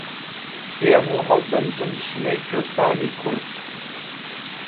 دێم و هەڵدەمژم شنەی کوێستانی کورد